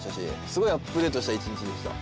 すごいアップデートした１日でした。